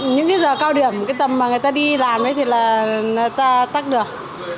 những cái giờ cao điểm cái tầm mà người ta đi làm đấy thì là người ta tắc đường